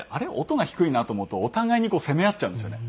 音が低いなと思うとお互いに責め合っちゃうんですよね。